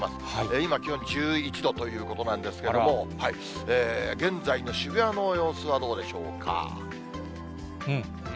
今、気温１１度ということなんですけれども、現在の渋谷の様子はどうでしょうか。